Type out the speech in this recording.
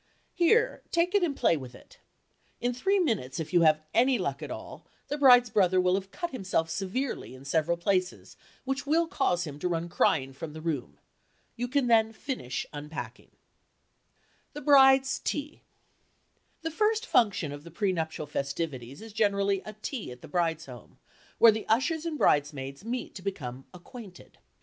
Here—take it and play with it." In three minutes, if you have any luck at all, the bride's brother will have cut himself severely in several places which will cause him to run crying from the room. You can then finish unpacking. THE BRIDE'S TEA The first function of the pre nuptial festivities is generally a tea at the bride's home, where the ushers and bridesmaids meet to become "acquainted."